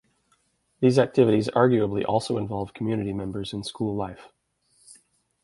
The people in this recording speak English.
These activities arguably also involve community members in school life.